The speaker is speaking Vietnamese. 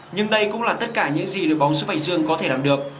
nhưng đây cũng là tất cả những gì đội bóng xúc bạch dương có thể làm được